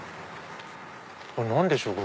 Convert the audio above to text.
何でしょう？